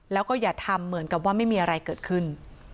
แล้วก็อย่าทำเหมือนกับว่าไม่มีอะไรเกิดขึ้น